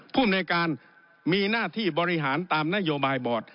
ภูมิในการมีหน้าที่บริหารตามนโยบายบอร์ด